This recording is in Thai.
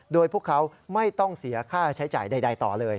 โดยพวกเขาไม่ต้องเสียค่าใช้จ่ายใดต่อเลย